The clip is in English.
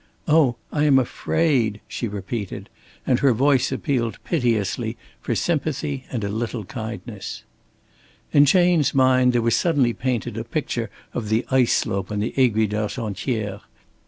"Oh, I am afraid," she repeated; and her voice appealed piteously for sympathy and a little kindness. In Chayne's mind there was suddenly painted a picture of the ice slope on the Aiguille d'Argentière.